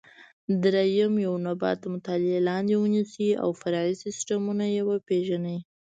درېیم: یو نبات د مطالعې لاندې ونیسئ او فرعي سیسټمونه یې وپېژنئ.